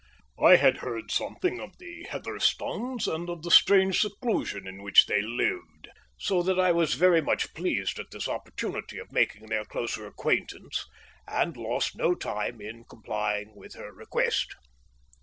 I had heard something of the Heatherstones and of the strange seclusion in which they lived, so that I was very much pleased at this opportunity of making their closer acquaintance, and lost no time in complying with her request.